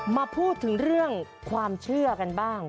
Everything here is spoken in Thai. มาพูดถึงเรื่องความเชื่อกันบ้าง